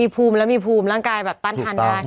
ภูมิและมีภูมิร่างกายแบบตั้นทันได้